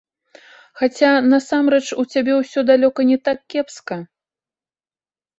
Хаця насамрэч у цябе ўсё далёка не так кепска.